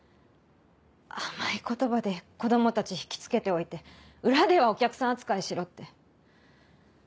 甘い言葉で子供たち引きつけておいて裏ではお客さん扱いしろって。